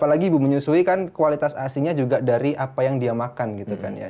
apalagi ibu menyusui kan kualitas asinya juga dari apa yang dia makan gitu kan ya